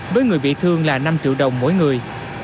với người bị thương là năm triệu đồng mỗi người